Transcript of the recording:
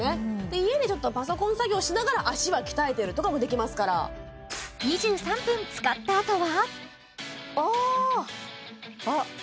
家でちょっとパソコン作業しながら足は鍛えてるとかもできますから２３分使ったあとは？